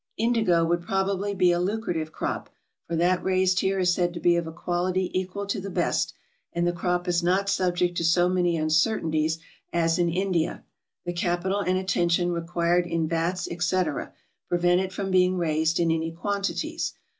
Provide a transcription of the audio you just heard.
Indigo would probably be a lucrative crop, for that raised here is said to be of a quality equal to the best, and the crop is not subject to so many uncertainties as in India; the capital and attention required in vats, etc., prevent it from being raised in any quantities.